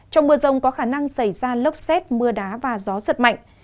trong mưa rông có khả năng xảy ra lốc xét mưa đá và gió giật mạnh